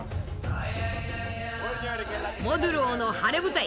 モドゥローの晴れ舞台